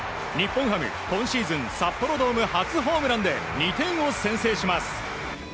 日本ハム、今シーズン札幌ドーム初ホームランで２点を先制します。